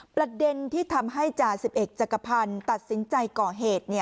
ประเด็นที่ทำให้จ่าสิบเอกจักรพันธ์ตัดสินใจก่อเหตุ